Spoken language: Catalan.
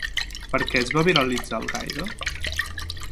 Per què es va viralitzar Algaida?